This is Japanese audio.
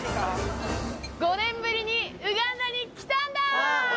５年ぶりにウガンダに来たンダ。